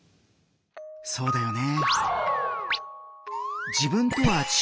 そうだよね。